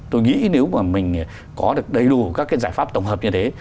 tôi nghĩ nếu mà mình có được đầy đủ các cái giải pháp tổng hợp như thế